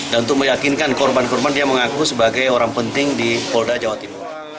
dan untuk meyakinkan korban korban dia mengaku sebagai orang penting di polda jawa timur